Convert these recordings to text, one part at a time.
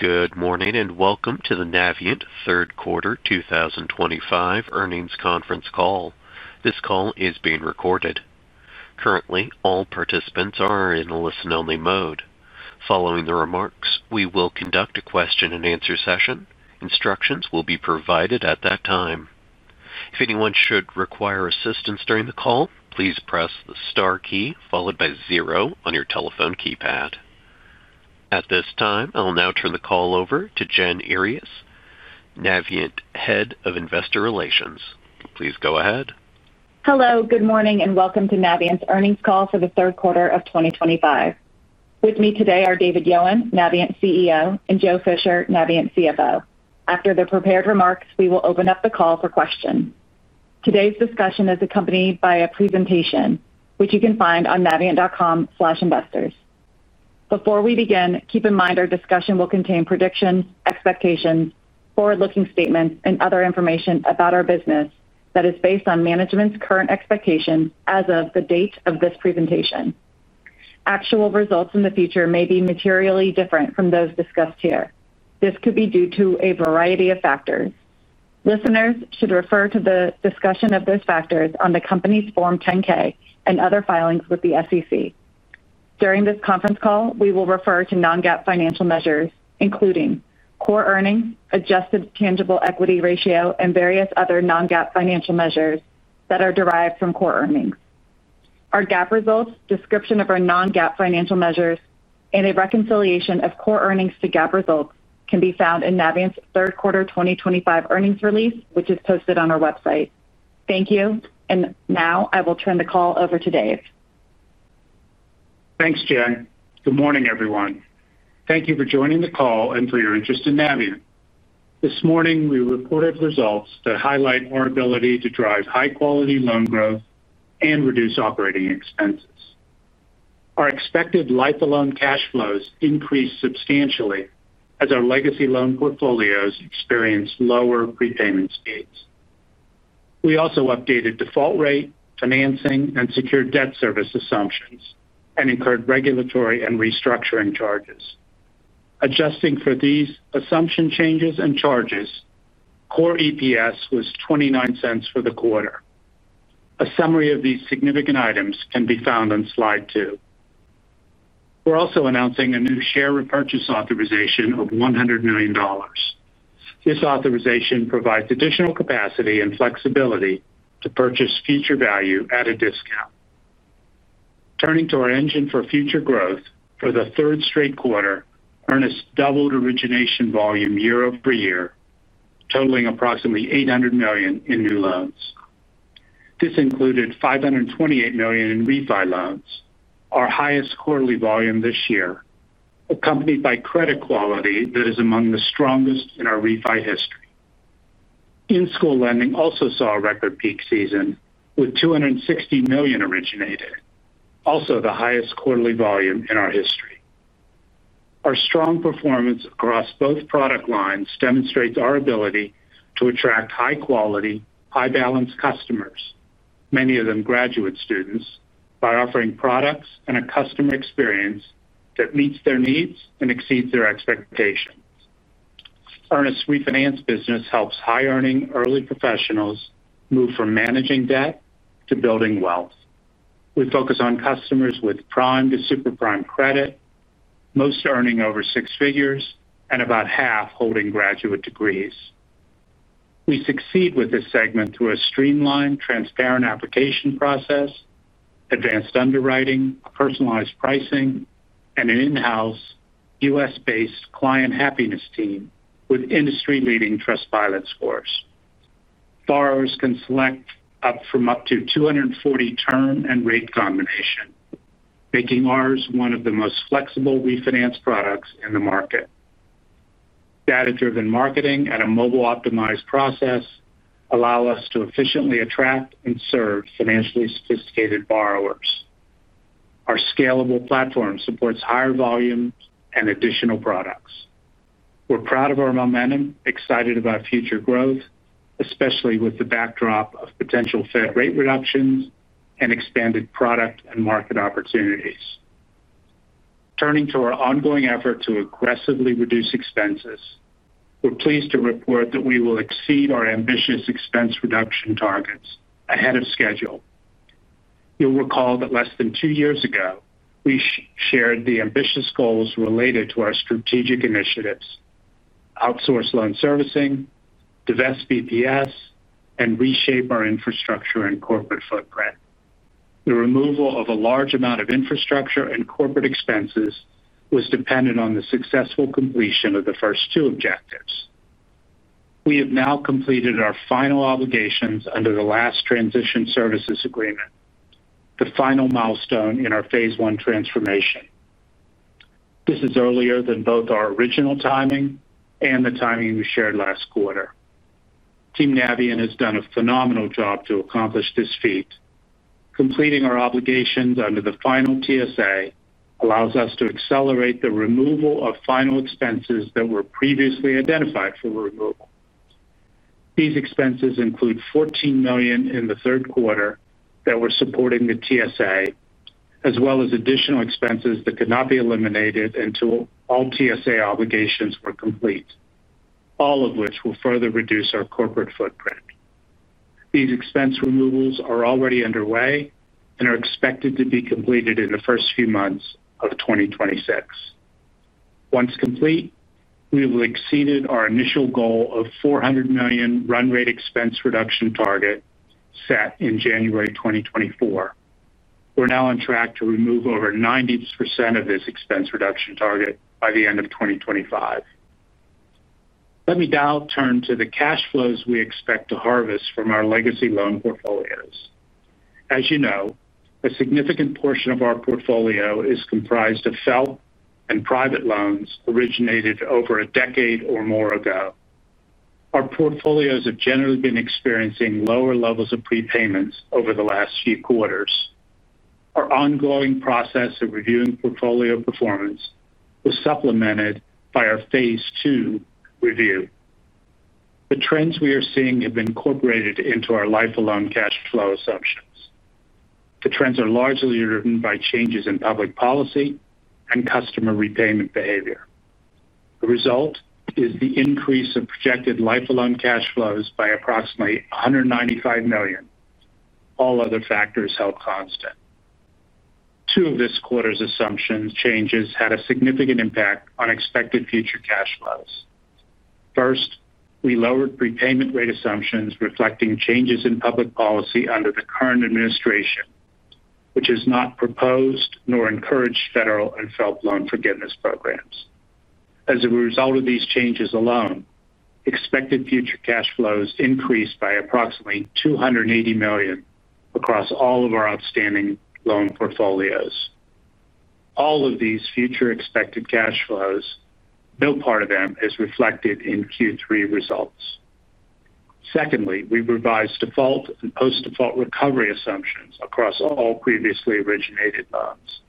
Good morning and welcome to the Navient third quarter 2025 earnings conference call. This call is being recorded. Currently, all participants are in listen-only mode. Following the remarks, we will conduct a question-and-answer session. Instructions will be provided at that time. If anyone should require assistance during the call, please press the star key followed by zero on your telephone keypad at this time. I'll now turn the call over to Jen Earyes, Navient Head of Investor Relations. Please go ahead. Hello, good morning and welcome to Navient's earnings call for the third quarter of 2025. With me today are David Yowan, Navient CEO, and Joe Fisher, Navient CFO. After the prepared remarks, we will open up the call for questions. Today's discussion is accompanied by a presentation which you can find on navient.com investors. Before we begin, keep in mind our discussion will contain predictions, expectations, forward-looking statements, and other information about our business that is based on management's current expectations as of the date of this presentation. Actual results in the future may be materially different from those discussed here. This could be due to a variety of factors. Listeners should refer to the discussion of those factors on the company's Form 10-K and other filings with the SEC. During this conference call, we will refer to non-GAAP financial measures including core earnings, adjusted tangible equity ratio, and various other non-GAAP financial measures that are derived from core earnings. Our GAAP results, description of our non-GAAP financial measures, and a reconciliation of core earnings to GAAP results can be found in Navient's third quarter 2025 earnings release which is posted on our website. Thank you. Now I will turn the call over to Dave. Thanks, Jen. Good morning, everyone. Thank you for joining the call and for your interest in Navient. This morning we reported results that highlight our ability to drive high-quality loan growth and reduce operating expenses. Our expected life of loan cash flows increased substantially as our legacy loan portfolios experienced lower prepayment speeds. We also updated default rate, financing, and secured debt service assumptions and incurred regulatory and restructuring charges. Adjusting for these assumption changes and charges, core earnings per share was $0.29 for the quarter. A summary of these significant items can be found on slide two. We're also announcing a new share repurchase authorization of $100 million. This authorization provides additional capacity and flexibility to purchase future value at a discount. Turning to our engine for future growth, for the third straight quarter, Earnest doubled origination volume year over year totaling approximately $800 million in new loans. This included $528 million in Refi loans, our highest quarterly volume this year, accompanied by credit quality that is among the strongest in our Refi history. In school lending also saw a record peak season with $260 million originated, also the highest quarterly volume in our history. Our strong performance across both product lines demonstrates our ability to attract high quality, high balance customers, many of them graduate students, by offering products and a customer experience that meets their needs and exceeds their expectations. Earnest Refinance business helps high earning early professionals move from managing debt to building wealth. We focus on customers with prime to super prime credit, most earning over six figures and about half holding graduate degrees. We succeed with this segment through a streamlined, transparent application process, advanced underwriting, personalized pricing, and an in house U.S. based client happiness team. With industry leading Trustpilot scores, borrowers can select from up to 240 term and rate combinations, making ours one of the most flexible Refinance products in the market. Data driven marketing and a mobile optimized process allow us to efficiently attract and serve financially sophisticated borrowers. Our scalable platform supports higher volumes and additional products. We're proud of our momentum and excited about future growth, especially with the backdrop of potential Fed rate reductions and expanded product and market opportunities. Turning to our ongoing effort to aggressively reduce expenses, we're pleased to report that we will exceed our ambitious expense reduction targets ahead of schedule. You'll recall that less than two years ago we shared the ambitious goals related to our strategic initiatives to outsource loan servicing, divest business process outsourcing, and reshape our infrastructure and corporate footprint. The removal of a large amount of infrastructure and corporate expenses was dependent on the successful completion of the first two objectives. We have now completed our final obligations under the last Transition Services Agreement, the final milestone in our Phase one transformation. This is earlier than both our original timing and the timing we shared last quarter. Team Navient has done a phenomenal job to accomplish this feat. Completing our obligations under the final TSA allows us to accelerate the removal of final expenses that were previously identified for removal. These expenses include $14 million in the third quarter that were supporting the TSA as well as additional expenses that could not be eliminated until all TSA obligations were complete, all of which will further reduce our corporate footprint. These expense removals are already underway and are expected to be completed in the first few months of 2026. Once complete, we have exceeded our initial goal of $400 million run-rate expense reduction target set in January 2024. We're now on track to remove over 90% of this expense reduction target by the end of 2025. Let me now turn to the cash flows we expect to harvest from our legacy loan portfolios. As you know, a significant portion of our portfolio is comprised of federal education loans and private loans originated over a decade or more ago. Our portfolios have generally been experiencing lower levels of prepayments over the last few quarters. Our ongoing process of reviewing portfolio performance was supplemented by our Phase two review. The trends we are seeing have been incorporated into our life-of-loan cash flow assumptions. The trends are largely driven by changes in public policy and customer repayment behavior. The result is the increase of projected life-of-loan cash flows by approximately $195 million, all other factors held constant. Two of this quarter's assumption changes had a significant impact on expected future cash flows. First, we lowered prepayment rate assumptions reflecting changes in public policy under the current administration, which has not proposed nor encouraged federal and felt loan forgiveness programs. As a result of these changes alone, expected future cash flows increased by approximately $280 million across all of our outstanding loan portfolios. All of these future expected cash flows, no part of them is reflected in Q3 results. Secondly, we revised default and post-default recovery assumptions across all previously originated loans.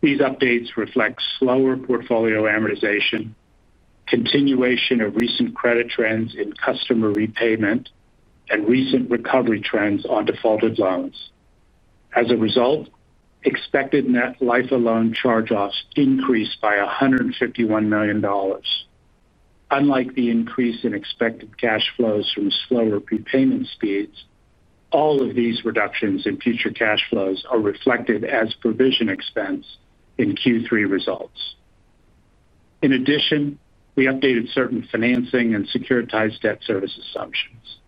These updates reflect slower portfolio amortization, continuation of recent credit trends in customer repayment, and recent recovery trends on defaulted loans. As a result, expected net Life of Loan charge-offs increased by $151 million. Unlike the increase in expected cash flows from slower prepayment speeds, all of these reductions in future cash flows are reflected as provision expense in Q3 results. In addition, we updated certain financing and securitized debt service assumptions.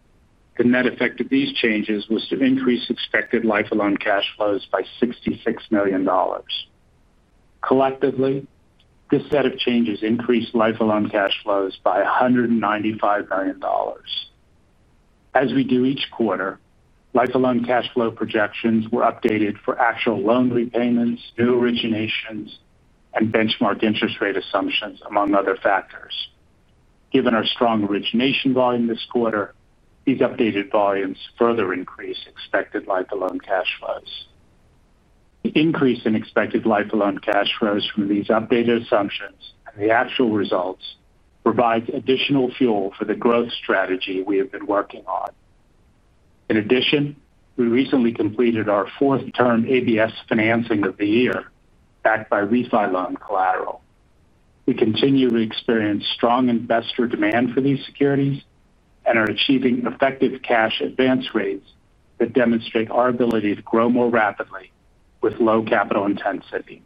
The net effect of these changes was to increase expected Life of Loan cash flows by $66 million. Collectively, this set of changes increased Life of Loan cash flows by $195 million. As we do each quarter, Life of Loan cash flow projections were updated for actual loan repayments, new originations, and benchmark interest rate assumptions, among other factors. Given our strong origination volume this quarter, these updated volumes further increase expected Life of Loan cash flows. The increase in expected Life of Loan cash flows from these updated assumptions and the actual results provides additional fuel for the growth strategy we have been working on. In addition, we recently completed our fourth term ABS financing of the year, backed by Refi loan collateral. We continue to experience strong investor demand for these securities and are achieving effective cash advance rates that demonstrate our ability to grow more rapidly with low capital intensity.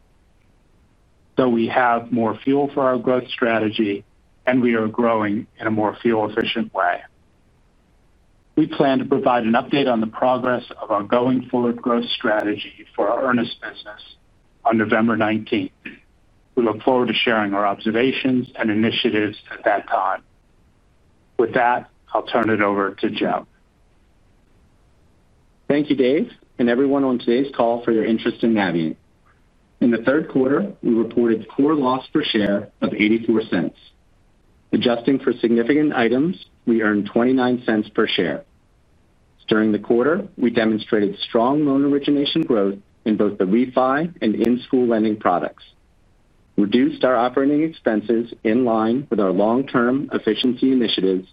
We have more fuel for our growth strategy, and we are growing in a more fuel-efficient way. We plan to provide an update on the progress of our going forward growth strategy for our Earnest business on November 19th. We look forward to sharing our observations and initiatives at that time. With that, I'll turn it over to Joe. Thank you Dave and everyone on today's call for your interest in Navient. In the third quarter we reported core loss per share of $0.84. Adjusting for significant items, we earned $0.29 per share during the quarter. We demonstrated strong loan origination growth in both the Refi and in school lending products, reduced our operating expenses in line with our long-term efficiency initiatives,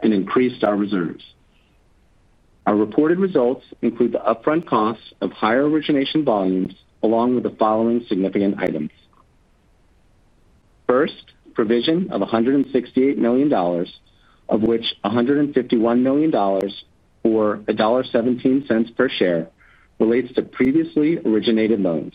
and increased our reserves. Our reported results include the upfront costs of higher origination volumes along with the following significant items. First, provision of $168 million, of which $151 million or $1.17 per share relates to previously originated loans.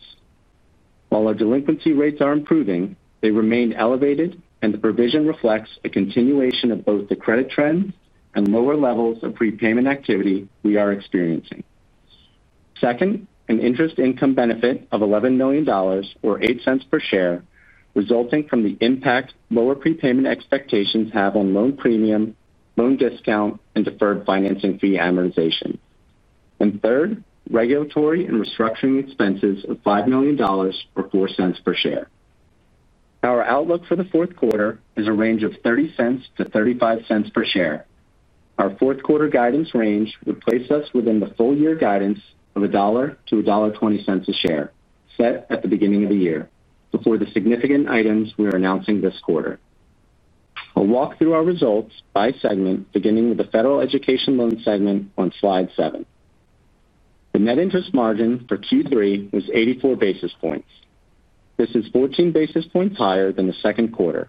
While our delinquency rates are improving, they remained elevated and the provision reflects a continuation of both the credit trends and lower levels of prepayment activity we are experiencing. Second, an interest income benefit of $11 million or $0.08 per share, resulting from the impact lower prepayment expectations have on loan premium, loan discount, and deferred financing fee amortization, and third, regulatory and restructuring expenses of $5 million or $0.04 per share. Our outlook for the fourth quarter is a range of $0.30-$0.35 per share. Our fourth quarter guidance range would place us within the full year guidance of $1-$1.20 a share set at the beginning of the year before the significant items we are announcing this quarter. I'll walk through our results by segment beginning with the Federal Education Loan segment on slide seven. The net interest margin for Q3 was 84 basis points. This is 14 basis points higher than the second quarter.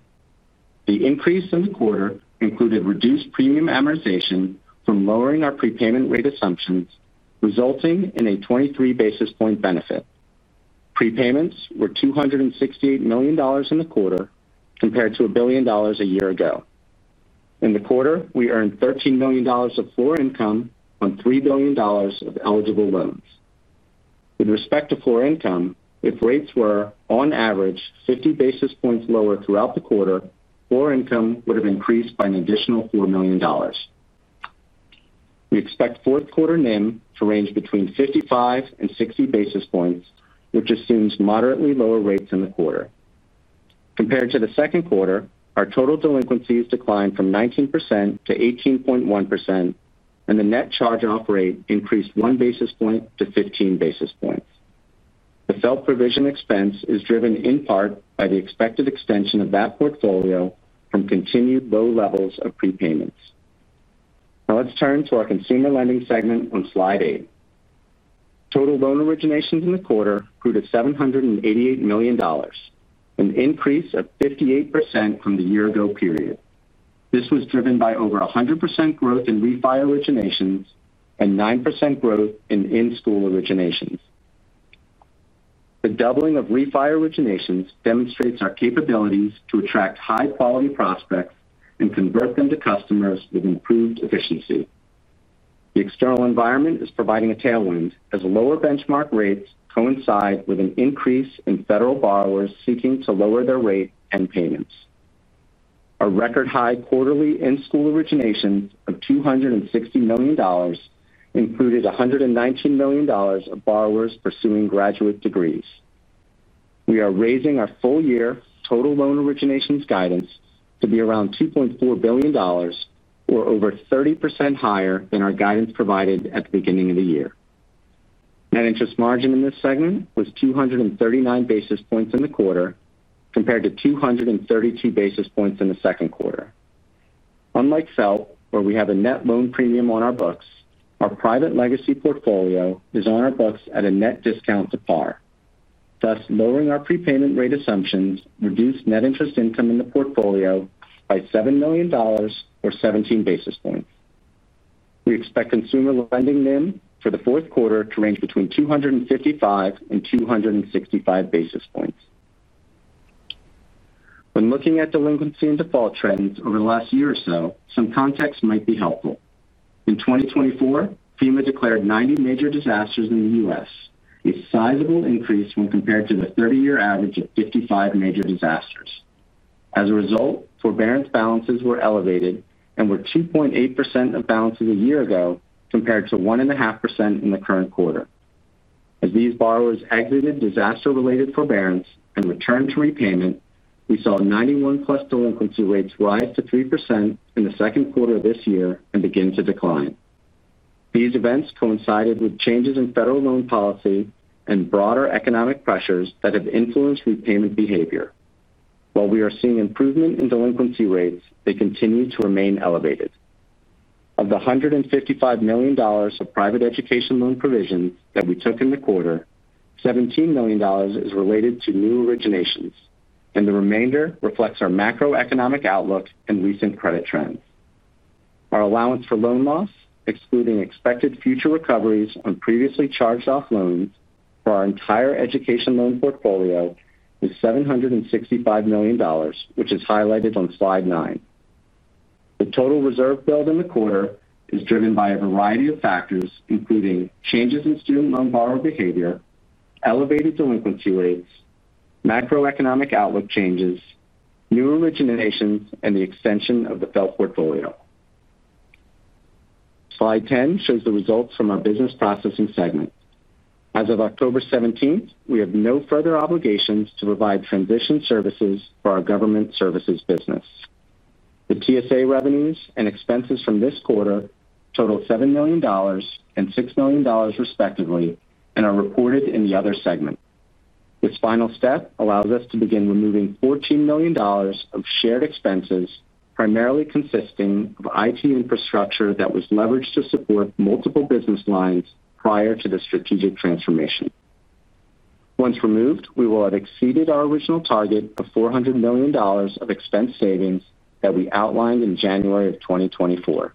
The increase in the quarter included reduced premium amortization from lowering our prepayment rate assumptions, resulting in a 23 basis point benefit. Prepayments were $268 million in the quarter compared to $1 billion a year ago. In the quarter, we earned $13 million of floor income on $3 billion of eligible loans. With respect to floor income, if rates were on average 50 basis points lower throughout the quarter, floor income would have increased by an additional $4 million. We expect fourth quarter NIM to range between 55 and 60 basis points, which assumes moderately lower rates in the quarter compared to the second quarter. Our total delinquencies declined from 19%-18.1% and the net charge-off rate increased 1 basis point to 15 basis points. The self provision expense is driven in part by the expected extension of that portfolio from continued low levels of prepayments. Now let's turn to our Consumer Lending segment on slide eight. Total loan originations in the quarter grew to $788 million, an increase of 58% from the year-ago period. This was driven by over 100% growth in Refi originations and 9% growth in in-school originations. The doubling of Refi originations demonstrates our capabilities to attract high-quality prospects and convert them to customers with improved efficiency. The external environment is providing a tailwind as lower benchmark rates coincide with an increase in federal borrowers seeking to lower their rate and payments. A record high quarterly in school originations of $260 million included $119 million of borrowers pursuing graduate degrees. We are raising our full-year total loan originations guidance to be around $2.4 billion or over 30% higher than our guidance provided at the beginning of the year. Net interest margin in this segment was 239 basis points in the quarter compared to 232 basis points in the second quarter. Unlike FFELP where we have a net loan premium on our books, our private legacy portfolio is on our books at a net discount to par, thus lowering our prepayment rate assumptions. Reduced net interest income in the portfolio by $7 million or 17 basis points. We expect Consumer Lending NIM for the fourth quarter to range between 255 and 265 basis points. When looking at delinquency and default trends over the last year or so, some context might be helpful. In 2024, FEMA declared 90 major disasters in the U.S., a sizable increase when compared to the 30 year average of 55 major disasters. As a result, forbearance balances were elevated and were 2.8% of balances a year ago compared to 1.5% in the current quarter. As these borrowers exited disaster-related forbearance and returned to repayment, we saw 91+ delinquency rates rise to 3% in the second quarter this year and begin to decline. These events coincided with changes in federal loan policy and broader economic pressures that have influenced repayment behavior. While we are seeing improvement in delinquency rates, they continue to remain elevated. Of the $155 million of private education loan provisions that we took in the quarter, $17 million is related to new originations, and the remainder reflects our macroeconomic outlook and recent credit trends. Our allowance for loan loss, excluding expected future recoveries on previously charged-off loans for our entire education loan portfolio, is $765 million, which is highlighted on slide nine. The total reserve build in the quarter is driven by a variety of factors, including changes in student loan borrower behavior, elevated delinquency rates, macroeconomic outlook changes, new originations, and the extension of the FFELP portfolio. Slide 10 shows the results from our business processing segment. As of October 17th, we have no further obligations to provide transition services for our government services business. The TSA revenues and expenses from this quarter totaled $7 million and $6 million, respectively, and are reported in the other segment. This final step allows us to begin removing $14 million of shared expenses, primarily consisting of IT infrastructure that was leveraged to support multiple business lines prior to the strategic transformation. Once removed, we will have exceeded our original target of $400 million of expense savings that we outlined in January of 2024.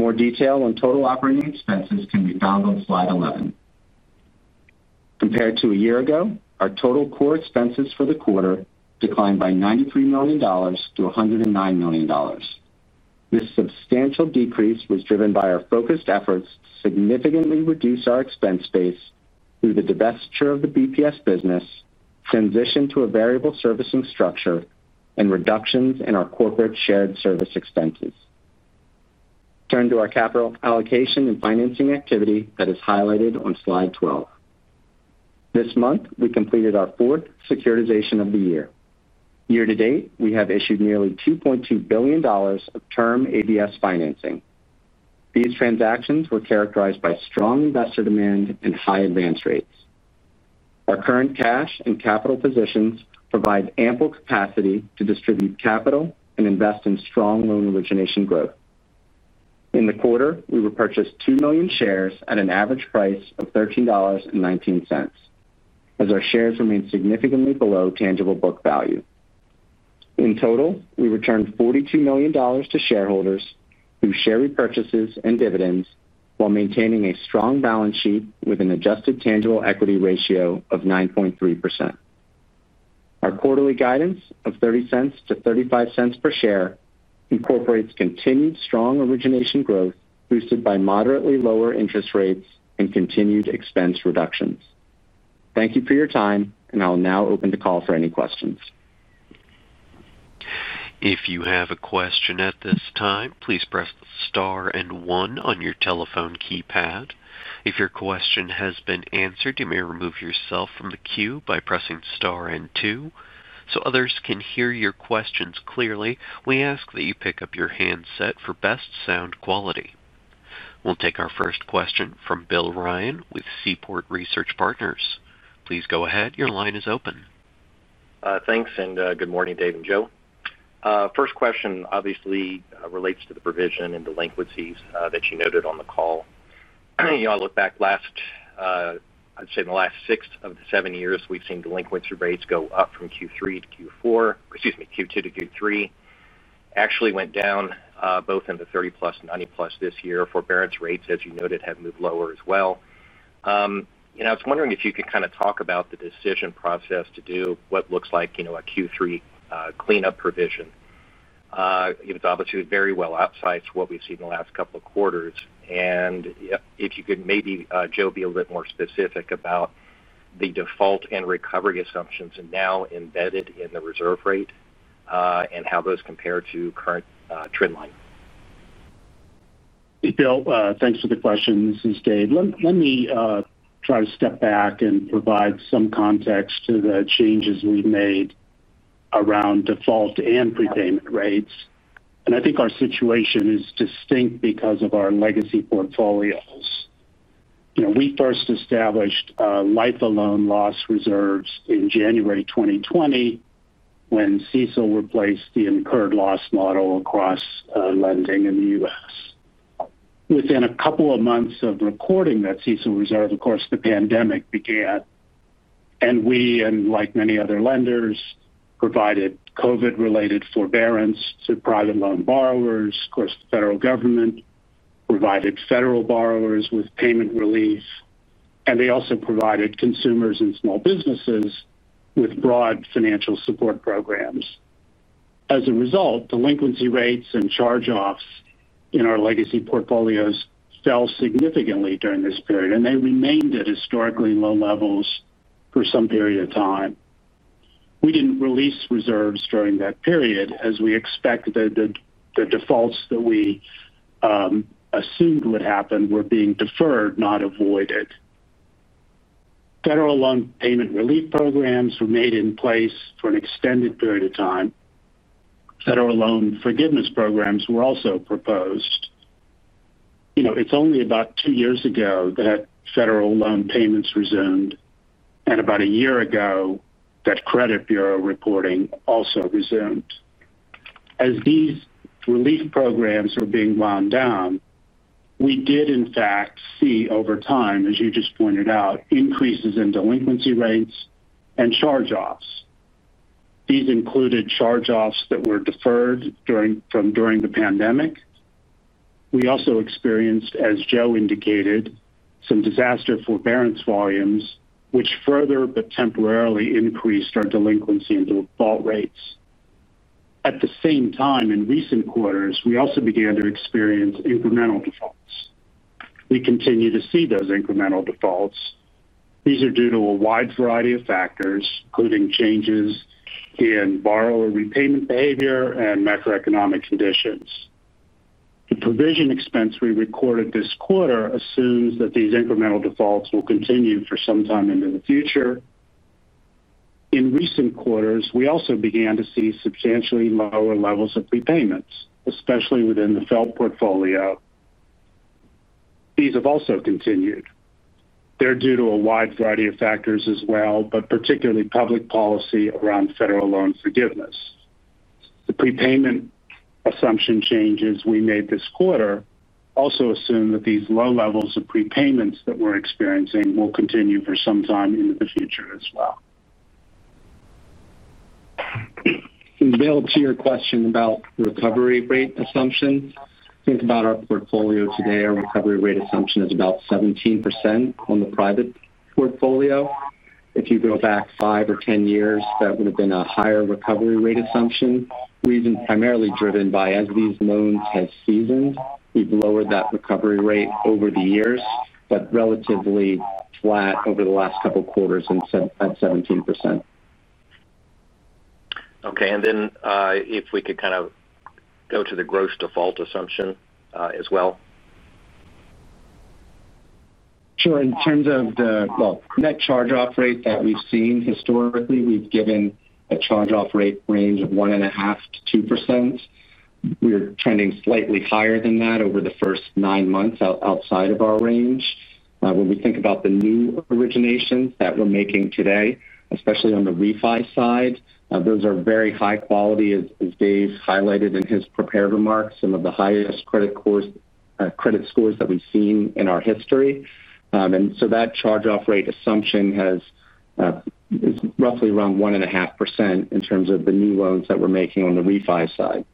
More detail on total operating expenses can be found on slide 11. Compared to a year ago, our total core expenses for the quarter declined by $93 million-$109 million. This substantial decrease was driven by our focused efforts to significantly reduce our expense base through the divestiture of the BPS business, transition to a variable servicing structure, and reductions in our corporate shared service expenses. Turn to our capital allocation and financing activity that is highlighted on slide 12. This month, we completed our fourth securitization of the year. Year to date, we have issued nearly $2.2 billion of term ABS financing. These transactions were characterized by strong investor demand and high advance rates. Our current cash and capital positions provide ample capacity to distribute capital and invest in strong loan origination growth. In the quarter, we repurchased 2,000,000 shares at an average price of $13.19, as our shares remain significantly below tangible book value. In total, we returned $42 million to shareholders through share repurchases and dividends while maintaining a strong balance sheet with an adjusted tangible equity ratio of 9.3%. Our quarterly guidance of $0.30-$0.35 per share incorporates continued strong origination growth, boosted by moderately lower interest rates and continued expense reductions. Thank you for your time, and I'll now open the call for any questions. If you have a question at this time, please press the star and one on your telephone keypad. If your question has been answered, you may remove yourself from the queue by pressing star and two so others can hear your questions clearly. We ask that you pick up your handset for best sound quality. We'll take our first question from Bill Ryan with Seaport Research Partners. Please go ahead. Your line is open. Thanks and good morning, Dave and Joe. First question obviously relates to the provision and delinquencies that you noted on the call. You all look back last. I'd say in the last six of the seven years we've seen delinquency rates go up from Q2 to Q3, actually went down both in the 30+ and 90+ this year. Forbearance rates, as you noted, have moved lower as well. I was wondering if you could kind of talk about the decision process to do what looks like, you know, a Q3 cleanup provision. It's obviously very well outsized to what we've seen the last couple of quarters. If you could maybe, Joe, be a bit more specific about the default and recovery assumptions now embedded in the reserve rate and how those compare to current trend line. Bill, thanks for the question. This is Dave. Let me try to step back and provide some context to the changes we've made around default and prepayment rates. I think our situation is distinct because of our legacy portfolios. We first established life of loan loss reserves in January 2020 when CECL replaced the incurred loss model across lending in the U.S. Within a couple of months of recording that CECL reserve, the pandemic began and we, like many other lenders, provided COVID-related forbearance to private loan borrowers. The federal government provided federal borrowers with payment relief and they also provided consumers and small businesses with broad financial support programs. As a result, delinquency rates and charge-offs in our legacy portfolios fell significantly during this period and they remained at historically low levels for some period of time. We didn't release reserves during that period as we expected. The defaults that we assumed would happen were being deferred, not avoided. Federal loan payment relief programs were in place for an extended period of time. Federal loan forgiveness programs were also proposed. It's only about two years ago that federal loan payments resumed and about a year ago that credit bureau reporting also resumed. As these relief programs were being wound down, we did in fact see over time, as you just pointed out, increases in delinquency rates and charge-offs. These included charge-offs that were deferred from during the pandemic. We also experienced, as Joe indicated, some disaster forbearance volumes which further but temporarily increased our delinquency and default rates. At the same time in recent quarters, we also began to experience incremental defaults. We continue to see those incremental defaults. These are due to a wide variety of factors including changes in borrower repayment behavior and macroeconomic conditions. The provision expense we recorded this quarter assumes that these incremental defaults will continue. For some time into the future. In recent quarters, we also began to see substantially lower levels of prepayments, especially within the federal education loans portfolio. These have also continued. They're due to a wide variety of factors as well, particularly public policy around federal loan forgiveness. The prepayment assumption changes we made this quarter also assume that these low levels of prepayments that we're experiencing will continue for some time into the future as well. Bill, to your question about recovery rate assumptions, think about our portfolio today. Our recovery rate assumption is about 17% on the private portfolio. If you go back five or 10 years, that would have been a higher recovery rate assumption. The reason primarily driven by as these loans have seasoned, we've lowered that recovery rate over the years, but relatively flat over the last couple quarters at 17%. Okay, and then if we could kind of go to the gross default assumption as well. Sure. In terms of the net charge-off rate that we've seen, historically, we've given a charge-off rate range of 1.5%-2%. We're trending slightly higher than that over the first nine months outside of our range. When we think about the new originations that we're making today, especially on the Refi side, those are very high quality, as Dave highlighted in his prepared remarks, some of the highest credit scores that we've seen in our history. That charge-off rate assumption is roughly around 1.5% in terms of the new loans that we're making on the Refi side.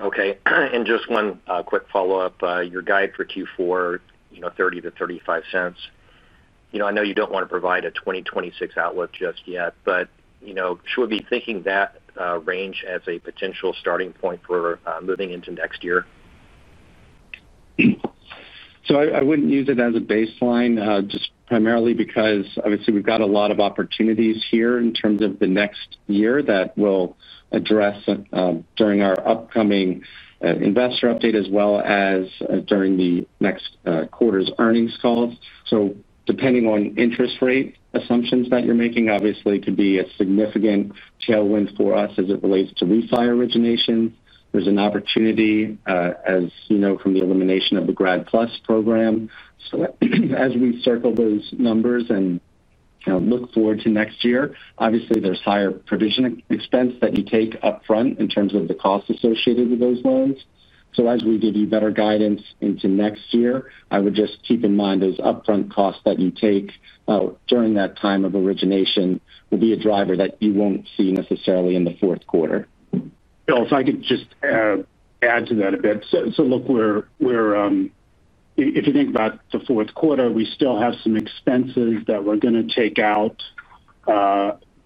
Okay. Just one quick follow-up, your guide for Q4, you know, $0.30-$0.35. I know you don't want to provide a 2026 outlook just yet, but should we be thinking that range as a potential starting point for moving into next year? I wouldn't use it as a baseline, just primarily because obviously we've got a lot of opportunities here in terms of the next year that we'll address during our upcoming investor update, as well as during the next quarter's earnings calls. Depending on interest rate assumptions that you're making, obviously could be a significant tailwind for us as it relates to Refi originations. There's an opportunity, as you know, from the elimination of the Grad PLUS program. As we circle those numbers and look forward to next year, obviously, there's higher provision expense that you take up front in terms of the cost associated with those loans. As we give you better guidance into next year, I would just keep in mind those upfront costs that you take during that time of origination will be a driver that you won't see necessarily in the fourth quarter. Bill, if I could just add to that a bit. If you think about the fourth quarter, we still have some expenses that we're going to take out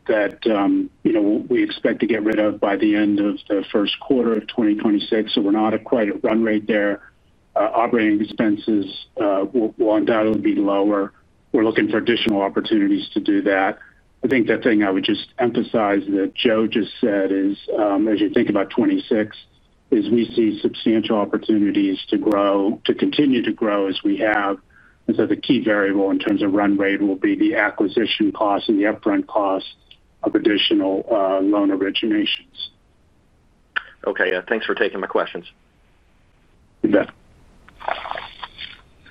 that we expect to get rid of by the end of the first quarter of 2026. We're not quite at run rate there, operating expenses that will be lower. We're looking for additional opportunities to do that. I think the thing I would just emphasize that Joe just said is, as you think about 2026, we see substantial opportunities to grow, to continue to grow as we have. The key variable in terms of run rate will be the acquisition cost and the upfront cost of additional loan originations. Okay, thanks for taking my questions.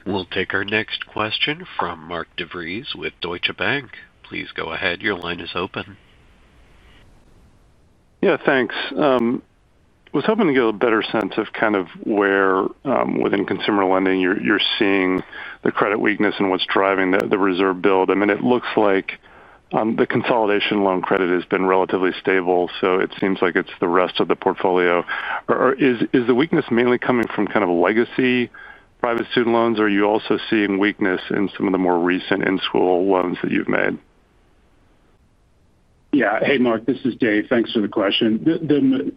We'll take our next question from Mark DeVries with Deutsche Bank. Please go ahead. Your line is open. Yeah, thanks. Was hoping to get a better sense of kind of where, within consumer lending, you're seeing the credit weakness and what's driving the reserve build. I mean, it looks like the consolidation loan credit has been relatively stable. It seems like it's the rest of the portfolio. Is the weakness mainly coming from kind of legacy private student loans, or are you also seeing weakness in some of the more recent in-school loans that you've made? Yeah. Hey, Mark, this is Dave. Thanks for the question.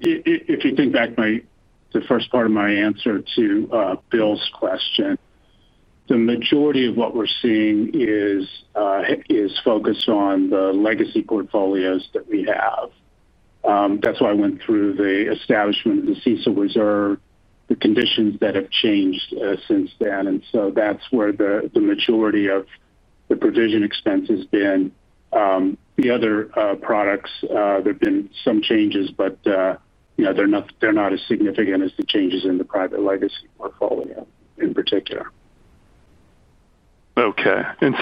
If you think back, the first part of my answer to Bill's question, the majority of what we're seeing is focused on the legacy portfolios that we have. That's why I went through the establishment of the CECL reserve, the conditions that have changed since then. That's where the majority of the provision expense has been. The other products, there have been some changes, but they're not as significant as the changes in the private legacy portfolio in particular. Okay, and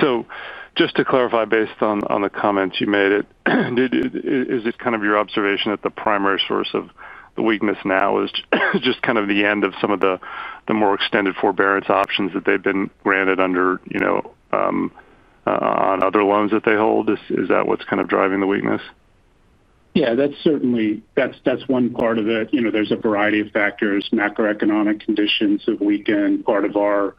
just to clarify, based on the comments you made, is it kind of your observation that the primary source of the weakness now is just kind of the end of some of the more extensive forbearance options that they've been granted under, you know, on other loans that they hold? Is that what's kind of driving the weakness? Yeah, that's certainly, that's one part of it. There's a variety of factors. Macroeconomic conditions have weakened. Part of our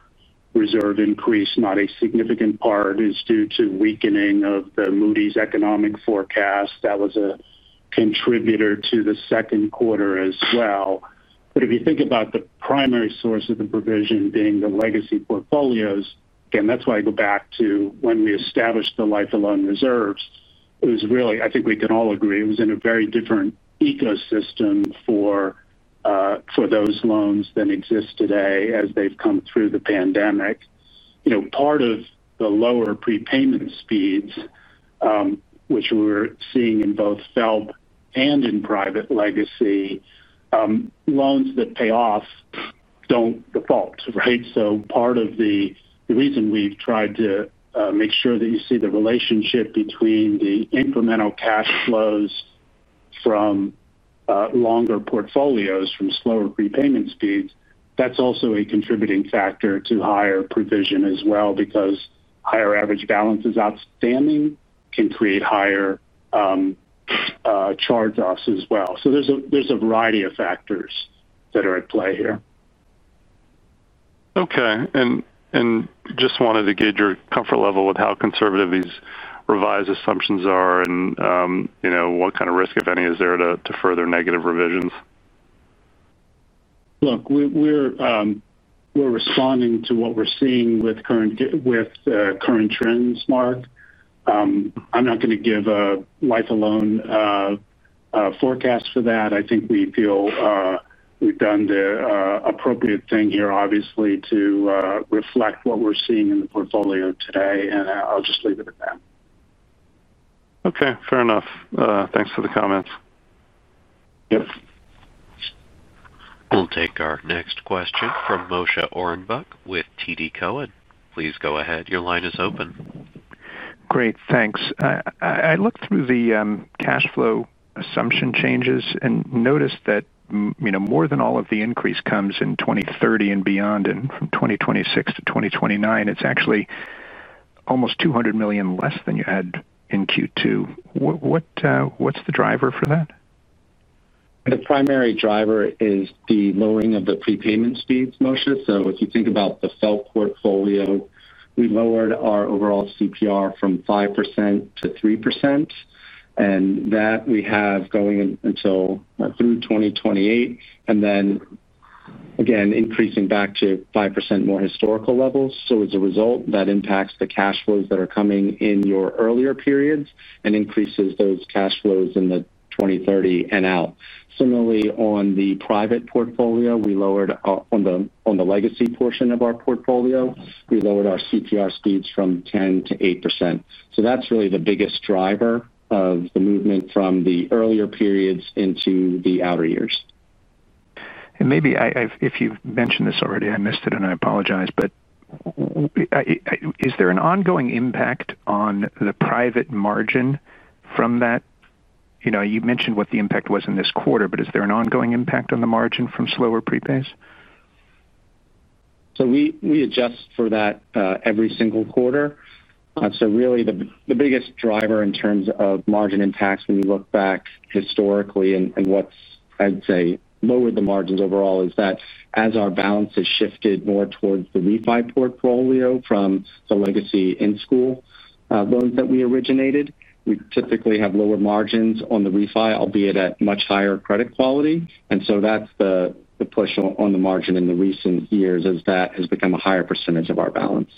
reserve increase, not a significant part, is due to weakening of the Moody's economic forecast. That was a contributor to the second quarter as well. If you think about the primary source of the provision being the legacy portfolios, that's why I go back to when we established the Life of Loan reserves. It was really, I think we can all agree, it was in a very different ecosystem for those loans than exist today as they've come through the pandemic. Part of the lower prepayment speeds, which we're seeing in both FFELP and in private legacy loans that pay off, don't default. Part of the reason we've tried to make sure that you see the relationship between the incremental cash flows from longer portfolios from slower prepayment speeds, that's also a contributing factor to higher provision as well because higher average balances outstanding can create higher charge-offs as well. There's a variety of factors that are at play here. Okay. I just wanted to gauge your comfort level with how conservative these revised assumptions are and what kind of risk, if any, is there to further negative revisions. Look, we're responding to what we're seeing with the current trends. Mark, I'm not going to give a live-alone forecast for that. I think we feel we've done the appropriate thing here, obviously, to reflect what we're seeing in the portfolio today. I'll just leave it at that. Okay, fair enough. Thanks for the comments. We'll take our next question from Moshe Orenbuch with TD Cowen. Please go ahead. Your line is open. Great, thanks. I looked through the cash flow assumption changes and notice that more than all of the increase comes in 2030 and beyond, and from 2026-2029, it's actually almost $200 million less than you had in Q2. What's the driver for that? The primary driver is the lowering of the prepayment speeds, Moshe. If you think about the federal portfolio, we lowered our overall CPR from 5%-3%, and we have that going until through 2028, then increasing back to 5%, more historical levels. As a result, that impacts the cash flows that are coming in your earlier periods and increases those cash flows in 2030 and out. Similarly, on the private portfolio, we lowered. On the legacy portion of our portfolio, we lowered our CPR speeds from 10%. That's really the biggest driver of the movement from the earlier periods into the outer years. If you've mentioned this already, I missed it and I apologize, but is there an ongoing impact on the private margin from that? You mentioned what the impact was in this quarter, but is there an ongoing impact on the margin from slower prepays? We adjust for that every single quarter. Really, the biggest driver in terms of margin impacts, when you look back historically and what’s, I’d say, lowered the margins overall is that as our balance has shifted more towards the Refi portfolio from the legacy in-school loans that we originated, we typically have lower margins on the Refi, albeit at much higher credit quality. That’s the push on the margin in recent years as that has become a higher percentage of our balance.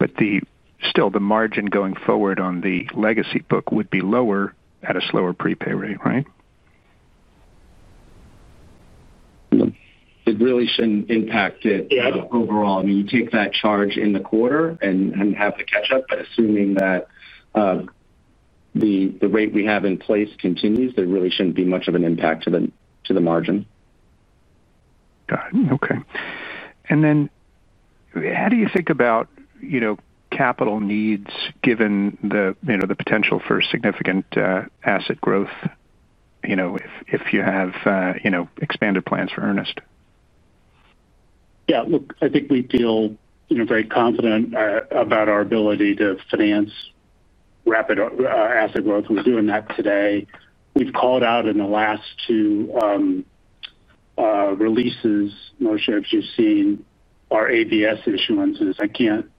The margin going forward on the legacy book would be lower at a slower prepay rate. Right? It really shouldn't impact it overall. I mean, you take that charge in the quarter and have the catch up, but assuming that the rate we have in place continues, there really shouldn't be much of an impact to the margin. Okay, and then how do you think about, you know, capital needs given the, you know, the potential for significant asset growth, you know, if you have, you know, expanded plans for Earnest? Yeah, look, I think we feel very confident about our ability to finance rapid asset growth. We're doing that today. We've called out in the last two releases. Moshe, as you've seen our ABS issuances, I can't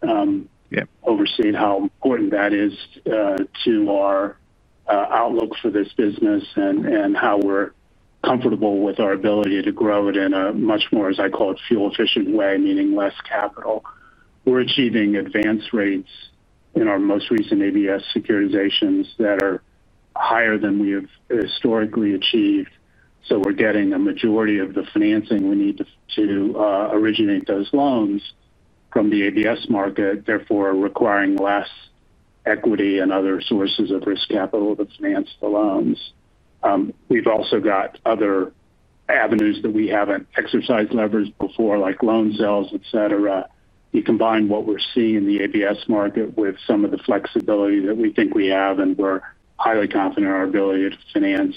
overstate how important that is to our outlook for this business and how we're comfortable with our ability to grow it in a much more, as I call it, fuel efficient way, meaning less capital. We're achieving advance rates in our most recent ABS securitizations that are higher than we have historically achieved. We're getting a majority of the financing we need to originate those loans from the ABS market, therefore requiring less equity and other sources of risk capital to finance the loans. We've also got other avenues that we haven't exercised levers before, like loan sales, etc. You combine what we're seeing in the ABS market with some of the flexibility that we think we have, and we're highly confident in our ability to finance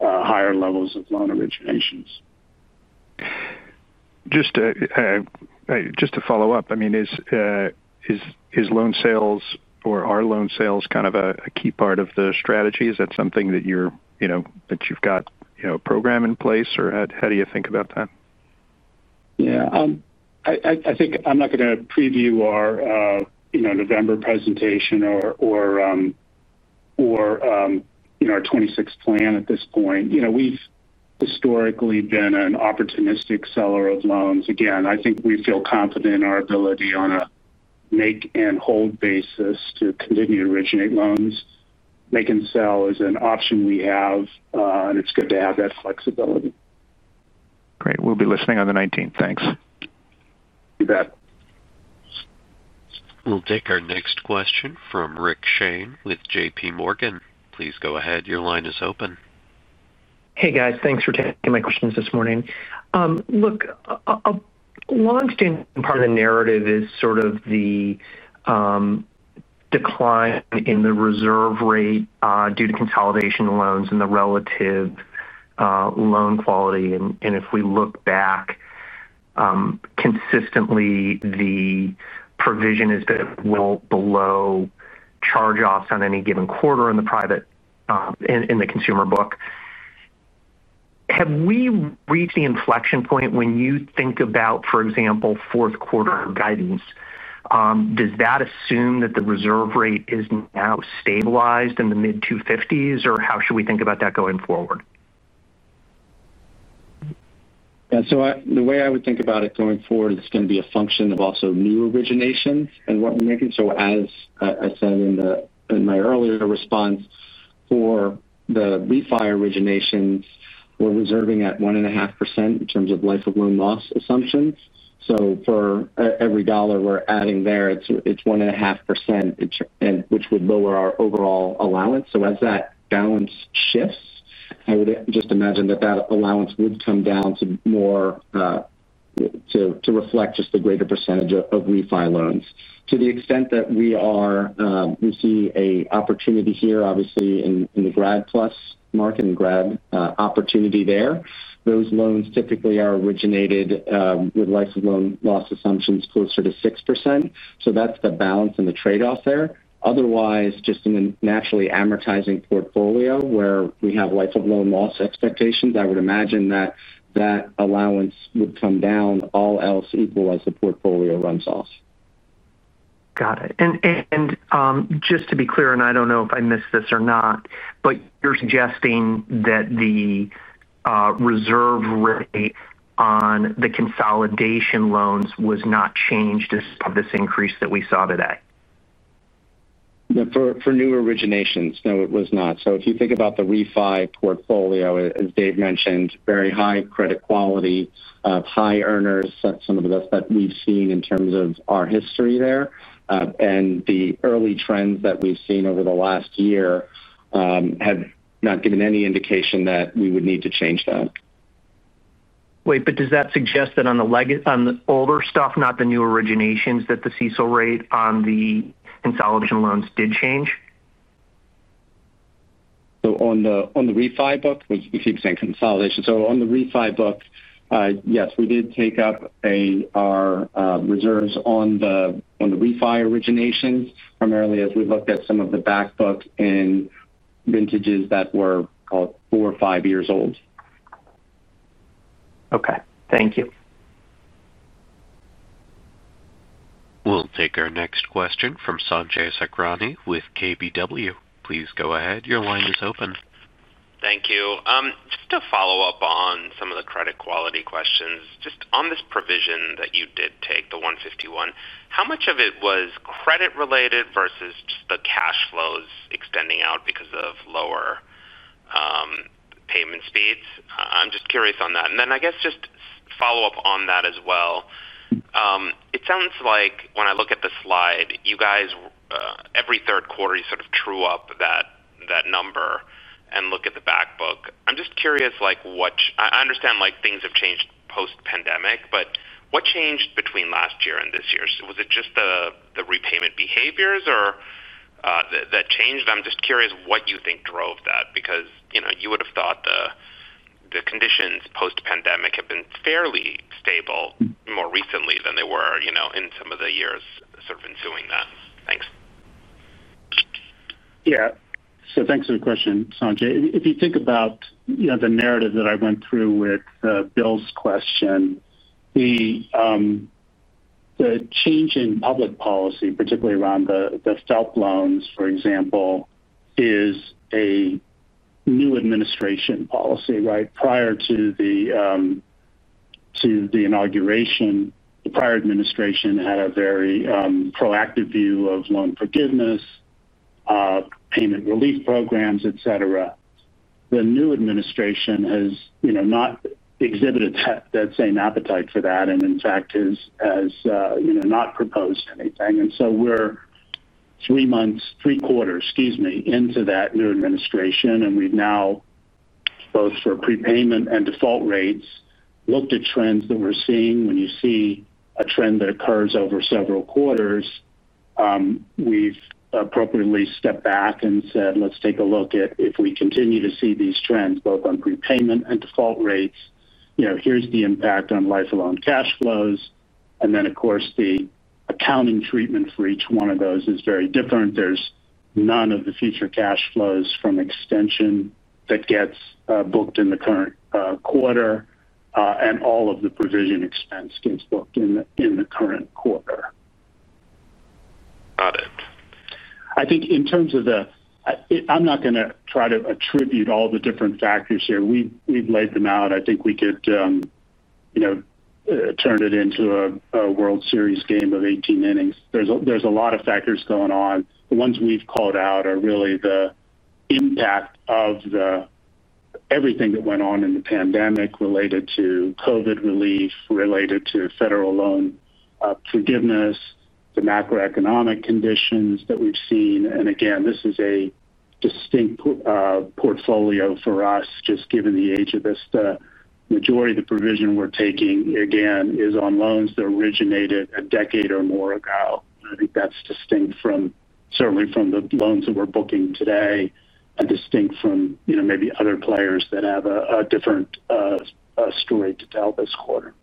higher levels of loan originations. Just to follow up, I mean, is loan sales or are loan sales kind of a key part of the strategy? Is that something that you're, you know, that you've got a program in place or how do you think about that? Yeah, I think I'm not going to preview our November presentation or our 2026 plan at this point. We've historically been an opportunistic seller of loans. Again, I think we feel confident in our ability on a make and hold basis to continue to originate loans. Make and sell is an option we have and it's good to have that flexibility. Great. We'll be listening on the 19th. Thanks. Bet. We'll take our next question from Rick Shane with JPMorgan. Please go ahead. Your line is open. Hey guys, thanks for taking my questions this morning. Look, a longstanding part of the narrative, is sort of the decline in the reserve rate due to consolidation loans and the relative loan quality. If we look back consistently, the provision is well below charge-offs on any given quarter in the private in the consumer book, have we reached the inflection point? When you think about, for example, fourth quarter guidance, does that assume that the reserve rate is now stabilized in the mid-250s or how should we think about that going forward? The way I would think about it going forward, it's going to be a function of also new originations and what we're making. As I said in my earlier response, for the Refi originations, we're reserving at 1.5% in terms of life of loan loss assumptions. For every dollar we're adding there, it's 1.5% which would lower our overall allowance. As that balance shifts, I would just imagine that that allowance would come down more to reflect just the greater percentage of Refi loans to the extent that we are. We see an opportunity here obviously, in the grad plus market and grad opportunity there. Those loans typically are originated with life of loan loss assumptions closer to 6%. That's the balance and the trade-off there. Otherwise, just in a naturally amortizing portfolio where we have life of loan loss expectations, I would imagine that that allowance would come down all else equal, as the portfolio runs off. Got it. Just to be clear, I don't know if I missed this or not, but you're suggesting that the reserve rate on the consolidation loans was not changed as part of this increase that we saw today. For new originations? No, it was not. If you think about the Refi portfolio, as Dave mentioned, very high credit quality, high earners, that's some of the best that we've seen in terms of our history there. The early trends that we've seen over the last year have not given any indication that we would need to change that. Wait, does that suggest that on the older stuff, not the new originations, that the CECL rate on the consolidation loans did change? On the Refi book, we keep saying consolidation. On the Refi book, yes, we did take up our reserves on the Refi originations primarily as we looked at some of the back book in vintages that were four or five years old. Okay, thank you. We'll take our next question from Sanjay Sakhrani with KBW. Please go ahead. Your line is open. Thank you. Just to follow up on some of the credit quality questions, on this provision that you did take, the $151 million, how much of it was credit-related versus just the cash flows extending out because of lower payment speeds? I'm just curious on that. I guess just to follow up on that as well, it sounds like when I look at the slide, you guys, every third quarter, you sort of true up that number and look at the back book. I'm just curious, like, I understand things have changed post-pandemic, but what changed between last year and this year? Was it just the repayment behaviors that changed? I'm just curious what you think drove that because you would have thought the conditions post-pandemic have been fairly stable more recently than they were in some of the years ensuing that. Thanks. Yeah, thanks for the question, Sanjay. If you think about the narrative that I went through with Bill's question, the change in public policy, particularly around the stealth loans, for example, is a new administration policy. Right prior to the inauguration, the prior administration had a very proactive view of loan forgiveness, payment relief programs, etc. The new administration has not exhibited that same appetite for that and in fact has not proposed anything. We're three-quarters into that new administration and we've now both for prepayment and default rates, looked at trends that we're seeing. When you see a trend that occurs over several quarters, we've appropriately stepped back and said let's take a look at if we continue to see these trends both on prepayment and default rates. Here's the impact on lifelong cash flows. The accounting treatment for each one of those is very different. None of the future cash flows from extension gets booked in the current quarter and all of the provision expense gets booked in the current quarter. Got it. I think in terms of the, I'm not going to try to attribute all the different factors here. We've laid them out. I think we could, you know, turn it into a World Series game of 18 innings. There's a lot of factors going on. The ones we've called out are really the impact of everything that went on in the pandemic related to Covid relief, related to federal loan forgiveness, the macroeconomic conditions that we've seen. This is a distinct portfolio for us, just given the age of this. The majority of the provision we're taking again is on loans that originated a decade or more ago. That's distinct from certainly from the loans that we're booking today and distinct from maybe other players that have a different story to tell this quarter.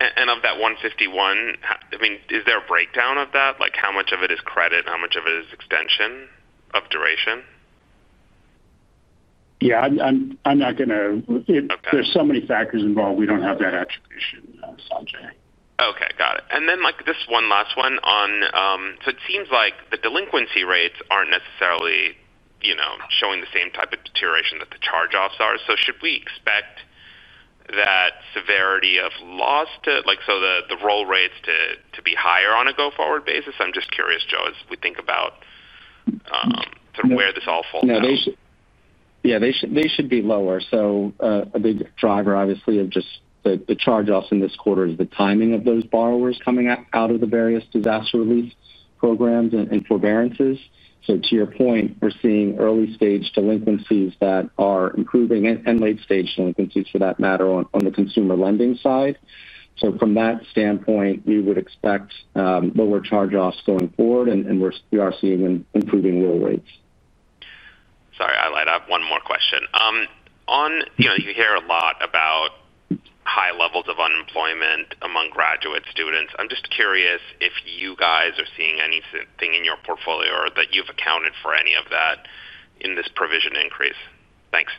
Of that $151 million, is there a breakdown of that, like how much of it is credit, how much of it is extension of duration? Yeah, I'm not going to. There are so many factors involved. We don't have that attribution. Sanjay. Okay, got it. One last one. It seems like the delinquency rates aren't necessarily showing the same type of deterioration that the charge-offs are. Should we expect that severity of loss, the roll rates, to be higher on a go-forward basis? I'm just curious, Joe, as we think. About where this all falls out. Yeah, they should be lower. A big driver, obviously of just the charge-offs in this quarter is the timing of those borrowers coming out of the various disaster relief programs and forbearances. To your point, we're seeing early stage delinquencies that are improving and late-stage delinquencies for that matter, on the consumer lending side. From that standpoint, we would expect lower charge-offs going forward and we are seeing improving roll rates. Sorry, I lied. I have one more question. You know, you hear a lot about high levels of unemployment among graduate students. I'm just curious if you guys are seeing anything in your portfolio or that you've accounted for any of that in this provision increase. Thanks.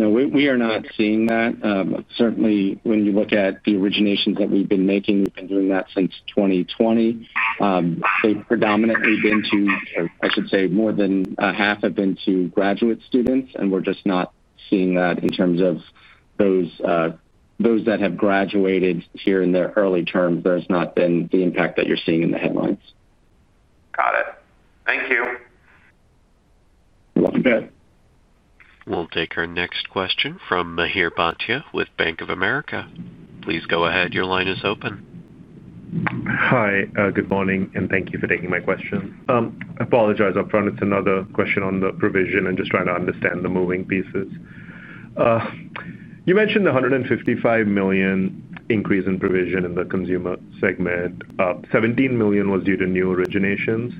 No, we are not seeing that. Certainly, when you look at the originations that we've been making, we've been doing that since 2020. They've predominantly been to, I should say, more than half have been to graduate students. We're just not seeing that in terms of those that have graduated here in their early terms. There's not been the impact that you're seeing in the headlines. Got it. Thank you. We'll take our next question from Mihir Bhatia with Bank of America. Please go ahead. Your line is open. Hi, good morning, and thank you for taking my question. I apologize up front. It's another question on the provision and just trying to understand the moving pieces. You mentioned the $155 million increase in provision in the consumer segment. $17 million was due to new originations.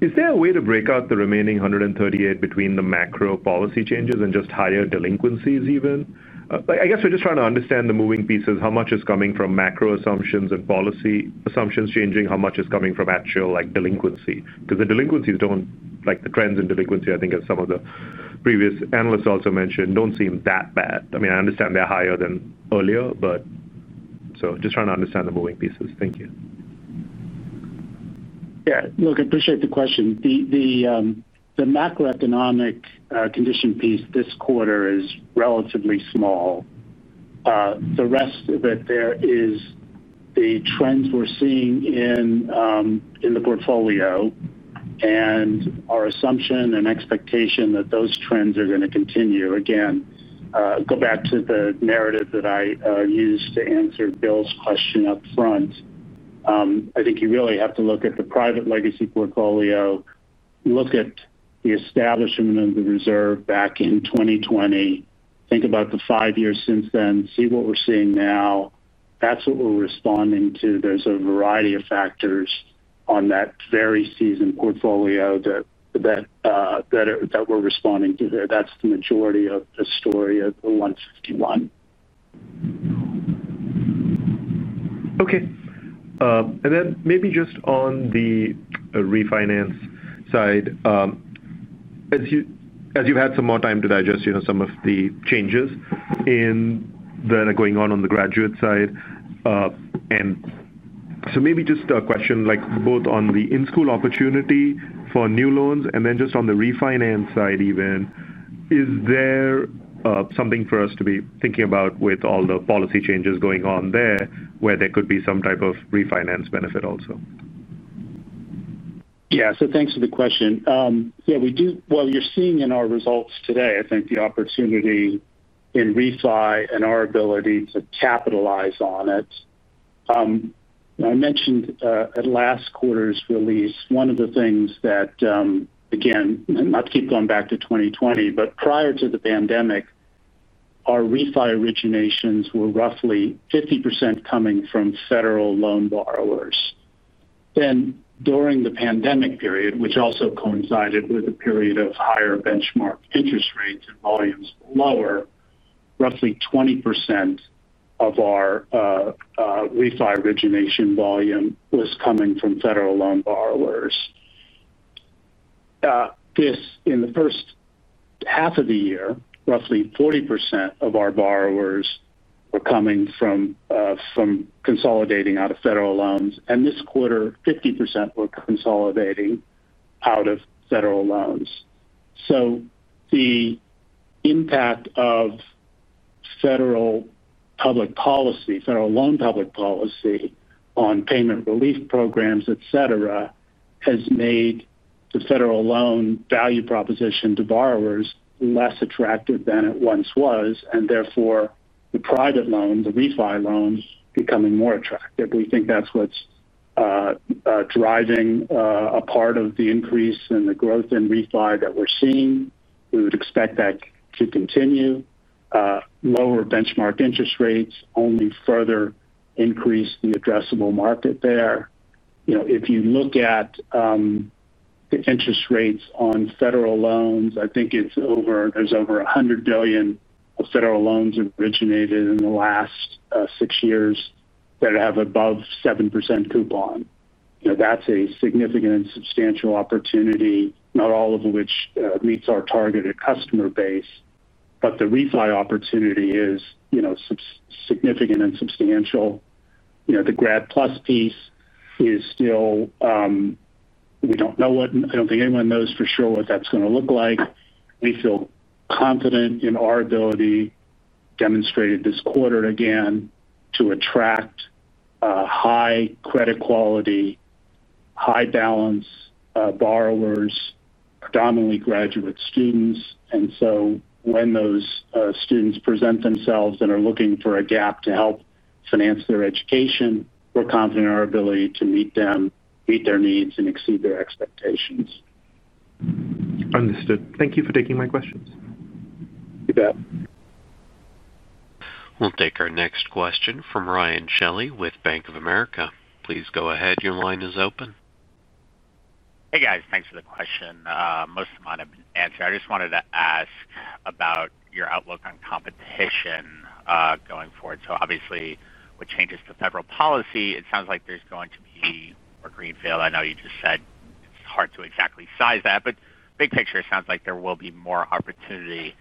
Is there a way to break out the remaining $138 million between the macro policy changes and just higher delinquencies even? I guess we're just trying to understand the moving pieces, how much is coming from macro assumptions and policy assumptions changing, how much is coming from actual like delinquency because the delinquencies don't like the trends in delinquency. I think as some of the previous analysts also mentioned, don't seem that bad. I mean, I understand they're higher than earlier, but just trying to understand the moving pieces. Thank you. Yeah, I appreciate the question. The macroeconomic condition piece this quarter is relatively small. The rest of it is the trends we're seeing in the portfolio and our assumption and expectation that those trends are going to continue. Again, go back to the narrative that I used to answer Bill's question up front. I think you really have to look at the private legacy portfolio, look at the establishment of the reserve back in 2020. Think about the five years since then. See what we're seeing now. That's what we're responding to. There's a variety of factors on that very seasoned portfolio that we're responding to here. That's the majority of the story of the 151. Okay. Maybe just on the Refinance side, as you've had some more time to digest some of the changes that are going on on the graduate side. Maybe just a question like both on the in-school opportunity for new loans and then just on the Refinance side even, is there something for us to be thinking about with all the policy changes going on there, where there could be some type of Refinance benefit also? Yes, thanks for the question. You're seeing in our results today, I think the opportunity in Refi and our ability to capitalize on it. I mentioned at last quarter's release one of the things that, again, not to keep going back to 2020, but prior to the pandemic, our Refi originations were roughly 50% coming from federal loan borrowers. During the pandemic period, which also coincided with a period of higher benchmark interest rates and volumes lower, roughly 20% of our Refi origination volume was coming from federal loan borrowers. In the first half of the year, roughly 40% of our borrowers were coming from consolidating out of federal loans. This quarter, 50% were consolidating out of federal loans. The impact of federal public policy, federal loan public policy on payment relief programs, etc., has made the federal loan value proposition to borrowers less attractive than it once was and therefore the private loan, the Refi loans, becoming more attractive. We think that's what's driving a part of the increase in the growth in Refi that we're seeing. We would expect that to continue. Lower benchmark interest rates only further increase the addressable market there. If you look at the interest rates on federal loans, I think it's over. There's over $100 billion federal loans originated in the last six years that have above 7% coupon. That's a significant and substantial opportunity, not all of which meets our targeted customer base. The Refi opportunity is significant and substantial. The grad plus piece is still. We don't know what, I don't think anyone knows for sure what that's going to look like. We feel confident in our ability, demonstrated this quarter again, to attract high credit quality, high balance borrowers, predominantly graduate students. When those students present themselves and are looking for a gap to help finance their education, we're confident in our ability to meet them, meet their needs, and exceed their expectations. Understood. Thank you for taking my questions. You bet. We'll take our next question from Ryan Shelley with Bank of America. Please go ahead. Your line is open. Hey guys, thanks for the question. Most of mine have been answered. I just wanted to ask about your outlook on competition going forward. Obviously, with changes to federal policy. It sounds like there's going to be Greenfield. I know you just said it's hard. To exactly size that, but big picture sounds like there will be more opportunity.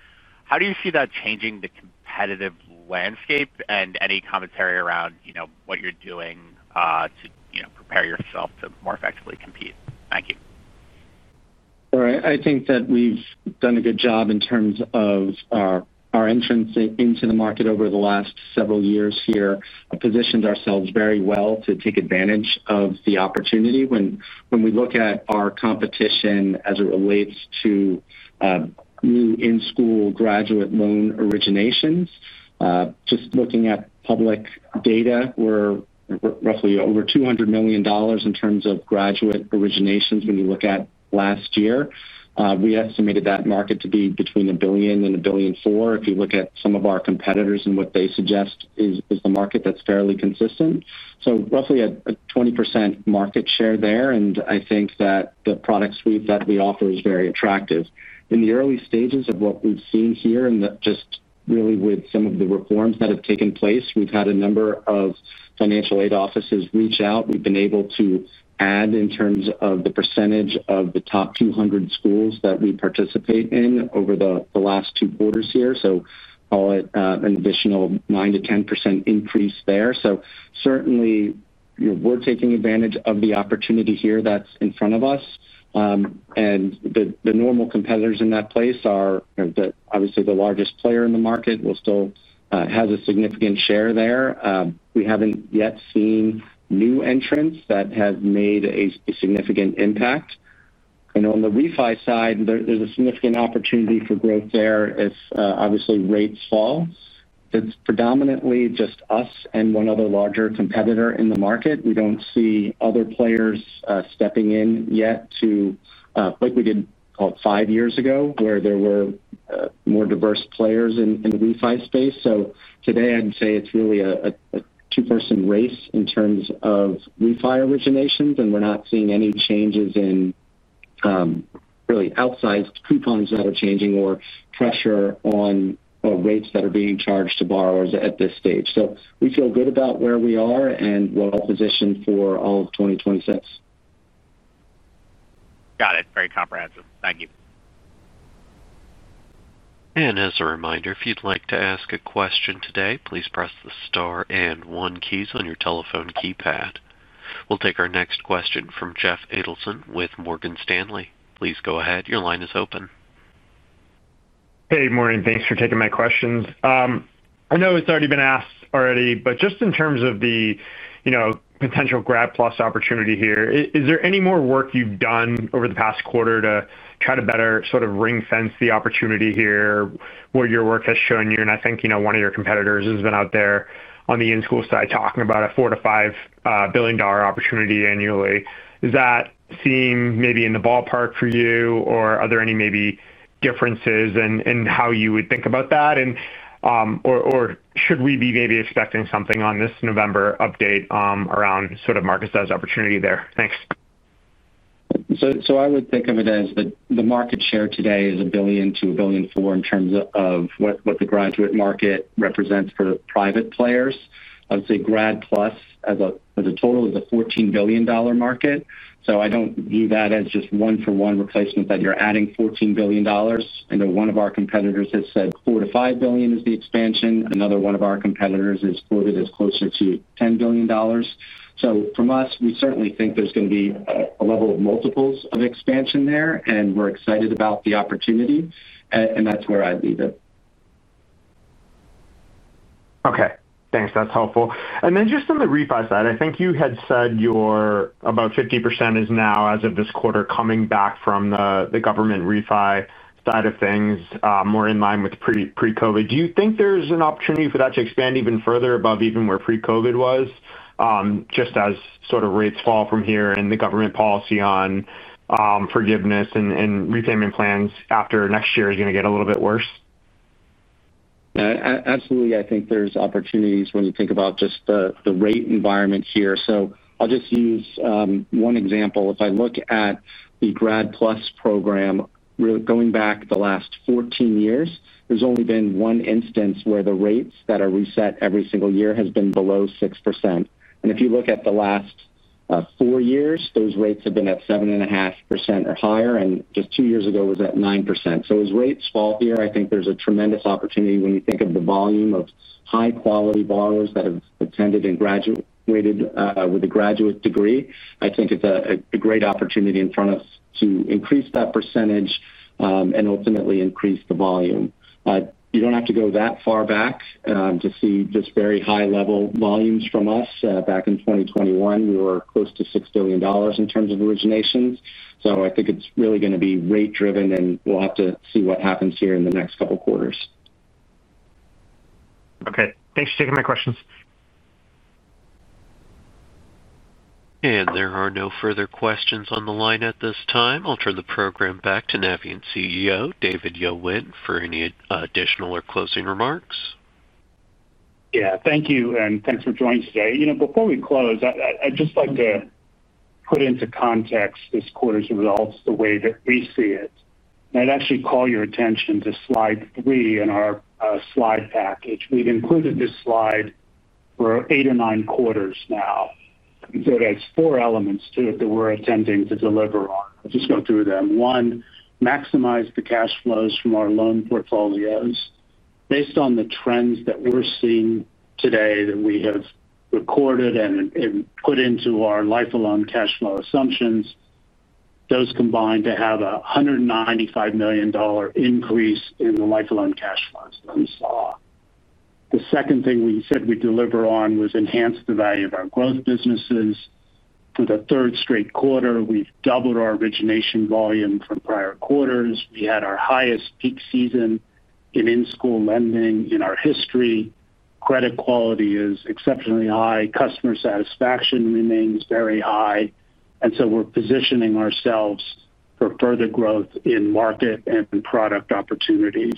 How do you see that changing the competitive landscape and any commentary around what you're doing to prepare yourself to more effectively compete? Thank you. I think that we've done a good job in terms of our entrance into the market over the last several years here, positioned ourselves very well to take advantage of the opportunity. When we look at our competition as it relates to new in-school graduate loan originations, just looking at public data, we're roughly over $200 million in terms of graduate originations. When you look at last year, we estimated that market to be between $1 billion and $1.4 billion. If you look at some of our competitors and what they suggest is the market, that's fairly consistent. So roughly a 20% market share there. I think that the product suite that we offer is very attractive in the early stages of what we've seen here, and just really with some of the reforms that have taken place. We've had a number of financial aid offices reach out. We've been able to add in terms of the percentage of the top 200 schools that we participate in over the last two quarters here, so call it an additional 9%-10% increase there. Certainly we're taking advantage of the opportunity here that's in front of us. The normal competitors in that place are obviously the largest player in the market, who still has a significant share there. We haven't yet seen new entrants that have made a significant impact. On the Refi side, there's a significant opportunity for growth there as obviously rates fall. That's predominantly just us and one other larger competitor in the market. We don't see other players stepping in yet, like we did five years ago, where there were more diverse players in the Refi space. Today, I'd say it's really a two-person race in terms of Refi originations, and we're not seeing any changes in really outsized coupons that are changing or pressure on rates that are being charged to borrowers at this stage. We feel good about where we are and well-positioned for all of 2026. Got it. Very comprehensive. Thank you. As a reminder, if you'd like to ask a question today, please press the Star and one keys on your telephone keypad. We'll take our next question from Jeff Adelson with Morgan Stanley. Please go ahead. Your line is open. Hey, morning. Thanks for taking my questions. I know it's already been asked. Just in terms of the potential grab plus opportunity here, is there any more work you've done over the past quarter to try to better ring fence the opportunity here? What your work has shown you, and I think one of your competitors has been out there on the in-school side talking about a $4 billion-$5 billion opportunity annually. Is that seen maybe in the ballpark for you, or are there any maybe differences in how you would think about that, or should we be maybe expecting something on this November update around sort of market size opportunity there? Thanks. I would think of it as the market share today is $1 billion-$1.4 billion in terms of what the graduate market represents for private players. I would say Grad PLUS as a total is a $14 billion market. I don't view that as just one-for-one replacement that you're adding $14 billion. I know one of our competitors has said $4 billion-$5 billion is the expansion. Another one of our competitors is quoted as closer to $10 billion. From us, we certainly think there's going to be a level of multiples of expansion there, and we're excited about the opportunity. That's where I leave it. Okay, thanks. That's helpful. Just on the Refi side, I think you had said about 50% is now as of this quarter coming back from the government Refi side of things, more in line with pre-COVID. Do you think there's an opportunity for that to expand even further above even where pre-COVID was, just as sort of rates fall from here and the government policy on forgiveness and repayment plans? After next year is going to get a little bit worse? Absolutely. I think there's opportunities when you think about just the rate environment here. I'll just use one example. If I look at the Grad PLUS program going back the last 14 years, there's only been one instance where the rates that are reset every single year have been below 6%. If you look at the last four years, those rates have been at 7.5% or higher, and just two years ago it was at 9%. As rates fall here, I think there's a tremendous opportunity. When you think of the volume of high quality borrowers that have attended and graduated with a graduate degree, I think it's a great opportunity in front of us to increase that percentage and ultimately increase the volume. You don't have to go that far back to see just very high level volumes from us. Back in 2021, we were close to $6 billion in terms of originations. I think it's fair, really going to be rate driven, and we'll have to see what happens here in the next couple quarters. Okay, thanks for taking my questions. There are no further questions on the line at this time. I'll turn the program back to Navient CEO David Yowan for any additional or closing remarks. Thank you and thanks for joining us today. Before we close, I'd just like to put into context this quarter's results the way that we see it. I'd actually call your attention to slide three in our slide package. We've included this slide for eight or nine quarters now. It has four elements to it that we're attempting to deliver on. I'll just go through them. One, maximize the cash flows from our loan portfolios based on the trends that we're seeing today that we have recorded and put into our lifelong cash flow assumptions. Those combined to have a $195 million increase in the lifelong cash flows that we saw. The second thing we said we'd deliver on was enhance the value of our growth businesses. For the third straight quarter, we've doubled our origination volume from prior quarters. We had our highest peak season in in school lending in our history. Credit quality is exceptionally high. Customer satisfaction remains very high. We're positioning ourselves for further growth in market and product opportunities.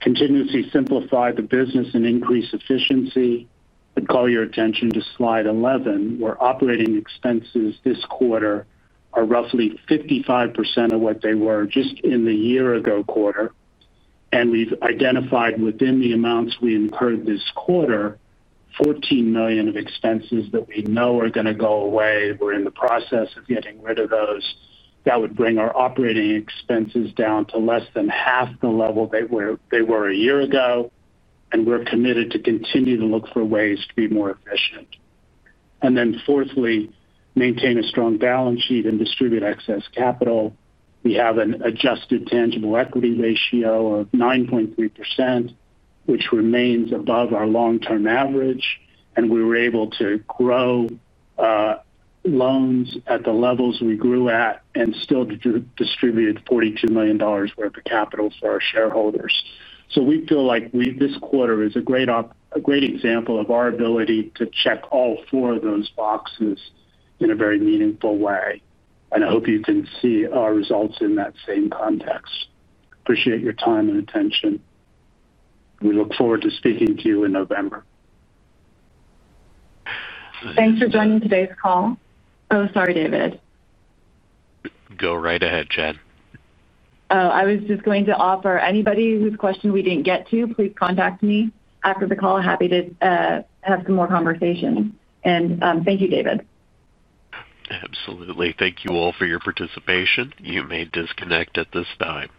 Contingency, simplify the business and increase efficiency. I'd call your attention to Slide 11 where operating expenses this quarter are roughly 55% of what they were just in the year ago quarter. We've identified within the amounts we incurred this quarter $14 million of expenses that we know are going to go away. We're in the process of getting rid of those that would bring our operating expenses down to less than half the level they were a year ago. We're committed to continue to look for ways to be more efficient and then, fourthly, maintain a strong balance sheet and distribute excess capital. We have an adjusted tangible equity ratio of 9.3% which remains above our long-term average. We were able to grow loans at the levels we grew at and still distribute $42 million worth of capital for our shareholders. We feel like this quarter is a great example of our ability to check all four of those boxes in a very meaningful way. I hope you can see our results in that same context. Appreciate your time and attention. We look forward to speaking to you in November. Thanks for joining today's call. Sorry, David. Go right ahead, Jen. I was just going to offer anybody whose question we didn't get to, please contact me after the call. Happy to have some more conversations. Thank you, David. Absolutely. Thank you all for your participation. You may disconnect at this time.